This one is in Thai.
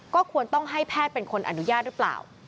ก็ควรต้องให้แพทย์เป็นคนอนุญาตหรือเปล่า